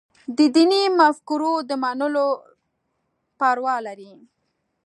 دیني مفکورو د منلو پروا لري.